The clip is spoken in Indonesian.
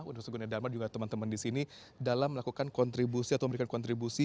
universitas guna dharma juga teman teman di sini dalam melakukan kontribusi atau memberikan kontribusi